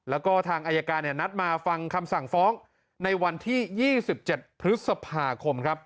แล้วก็ทางอายการนัดมาฟังคำสั่งฟ้องในวันที่๒๗พฤษภาคมครับ